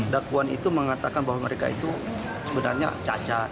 dakwaan itu mengatakan bahwa mereka itu sebenarnya cacat